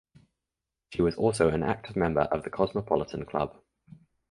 She was also an active member of the Cosmopolitan Club.